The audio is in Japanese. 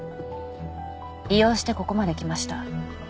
利用してここまで来ました。